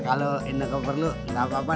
kalau ineke perlu gak apa apa